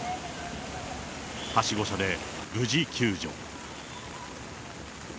はしご車で無事救助。